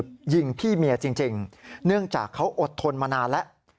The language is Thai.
คือยิงพี่เมียจริงเนื่องจากเขาอดทนมานานแล้ว